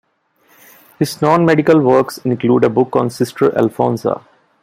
His non-medical works include a book on Sister Alphonsa.